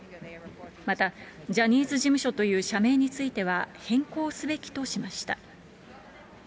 また、ジャニーズ事務所という社名については変更すべきとしました。